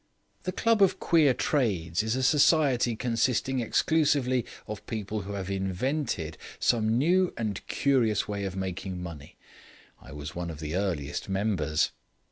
"The Club of Queer Trades is a society consisting exclusively of people who have invented some new and curious way of making money. I was one of the earliest members."